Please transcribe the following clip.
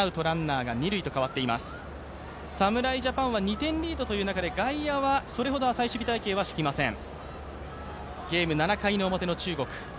侍ジャパンは２点リードということで外野はそれほど浅い守備隊形はしきません。